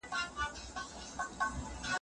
د نړۍ پوهنتونونه مختلف اصول لري.